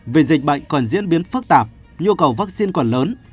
về dịch bệnh còn diễn biến phức tạp nhu cầu vaccine còn lớn